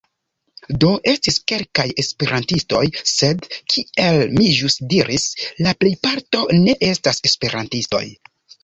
Do, estis kelkaj Esperantistoj, sed, kiel mi ĵus diris, la plejparto ne estas Esperantistoj.